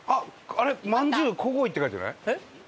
あれ「まんじゅうこごい」って書いてない？